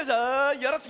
よろしく！